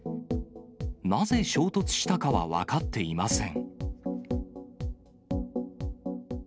なぜ、衝突したかは分かっていません。